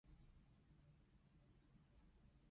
香港廢官個個月收幾十萬